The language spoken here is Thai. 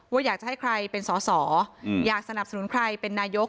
อยากจะให้ใครเป็นสอสออยากสนับสนุนใครเป็นนายก